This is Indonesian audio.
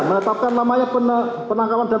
menetapkan namanya penangkapan dan